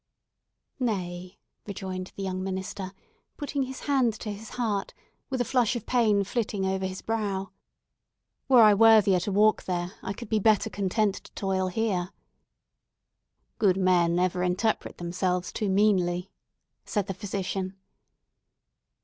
"Nay," rejoined the young minister, putting his hand to his heart, with a flush of pain flitting over his brow, "were I worthier to walk there, I could be better content to toil here." "Good men ever interpret themselves too meanly," said the physician.